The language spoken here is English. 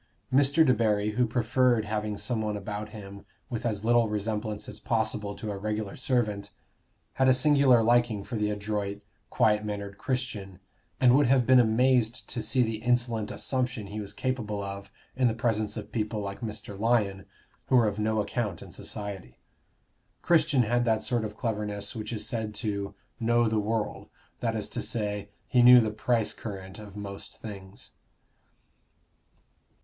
Mr. Debarry, who preferred having some one about him with as little resemblance as possible to a regular servant, had a singular liking for the adroit, quiet mannered Christian, and would have been amazed to see the insolent assumption he was capable of in the presence of people like Mr. Lyon, who were of no account in society. Christian had that sort of cleverness which is said to "know the world" that is to say, he knew the price current of most things.